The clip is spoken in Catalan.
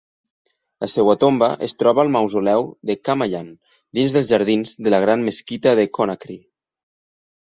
La seva tomba es troba al Mausoleu de Camayanne, dins dels jardins de la Gran Mesquita de Conakry.